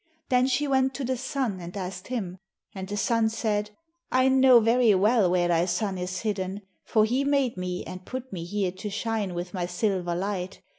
Then she went to the Sun and asked him. And the Sun said: 'I know very well where thy son is hidden, for he made me and put me here to shine with my silver light.